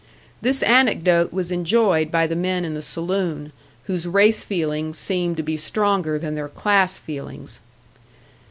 This anecdote was enjoyed by the men in the saloon whose race feelings seemed to be stronger than their class feelings.